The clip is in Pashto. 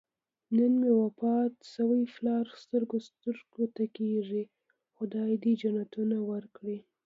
نن مې وفات شوی پلار سترګو سترګو ته کېږي. خدای دې جنتونه ورکړي.